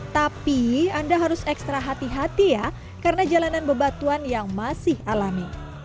tapi anda harus ekstra hati hati ya karena jalanan bebatuan yang masih alami